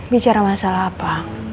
bicara masalah apa